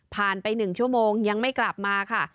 ผ่านไปหนึ่งชั่วโมงยังไม่กลับมาค่ะ